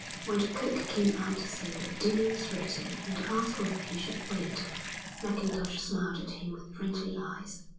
When the cook came out to say that dinner was ready and to ask whether he should wait, Mackintosh smiled at him with friendly eyes.